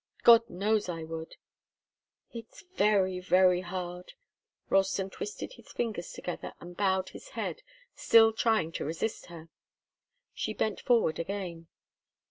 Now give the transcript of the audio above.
God knows I would " "It's very, very hard!" Ralston twisted his fingers together and bowed his head, still trying to resist her. She bent forward again.